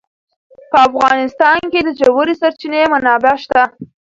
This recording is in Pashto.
په افغانستان کې د ژورې سرچینې منابع شته.